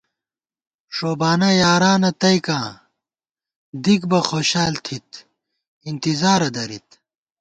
ݭوبانہ یارانہ تئیکاں دِک بہ خوشال تھِت، انتظارہ دَرِت